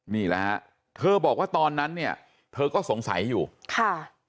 นี่แหละฮะเธอบอกว่าตอนนั้นเนี่ยเธอก็สงสัยอยู่ค่ะ